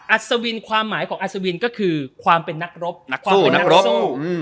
อัศวินความหมายของอัศวินก็คือความเป็นนักรบนักสู้นักรบสู้